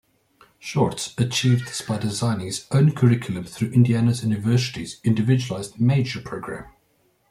Shortz achieved this by designing his own curriculum through Indiana University's Individualized Major Program.